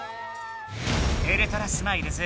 ウルトラスマイルズ